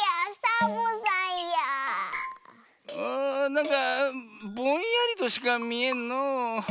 なんかぼんやりとしかみえんのう。